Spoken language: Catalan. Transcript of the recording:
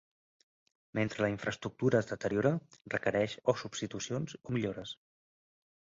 Mentre la infraestructura es deteriora, requereix o substitucions o millores.